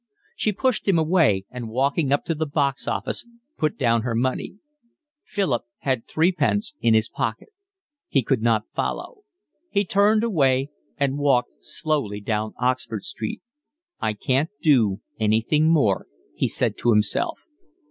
She pushed him away and walking up to the box office put down her money. Philip had threepence in his pocket. He could not follow. He turned away and walked slowly down Oxford Street. "I can't do anything more," he said to himself.